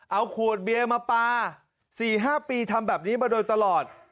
เอาขวดเบียร์มาปลา๔๕ปีทำแบบนี้มาโดยตลอด